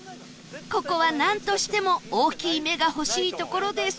ここはなんとしても大きい目が欲しいところです